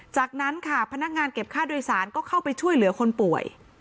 จากนั้นค่ะพนักงานเก็บค่าโดยสารก็เข้าไปช่วยเหลือคนป่วย